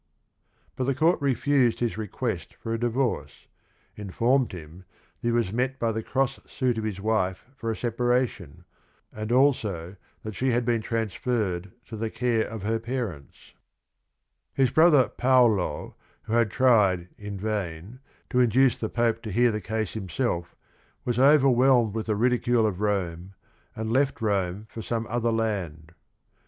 But the court refused his request for a divorce — informed him that he was met by the cross suit of his wife for a separation, and also that she had been transferred to the care of her parents. COUNT GUIDO FRANCESCHINI 65 His brother Paolo who had tried in vain to in duce the Pope to hear the case himself was over whelmed with the ridicule of Rome, and left Rome for some other land.